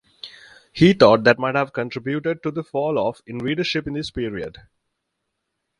He thought that might have contributed to the fall-off in readership in this period.